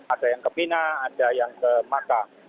ada yang ke mina ada yang ke mekah